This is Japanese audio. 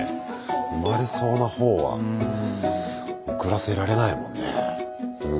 産まれそうなほうは遅らせられないもんね。